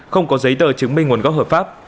không có giấy tờ chứng minh nguồn gốc hợp pháp